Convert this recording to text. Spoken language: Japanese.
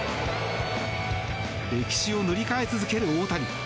歴史を塗り替え続ける大谷。